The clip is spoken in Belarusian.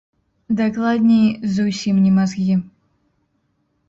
Дакладней, зусім не мазгі.